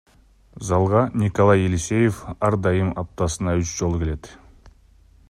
Залга Николай Елисеев ар дайым аптасына үч жолу келет.